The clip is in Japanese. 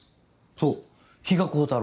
そう比嘉光太郎。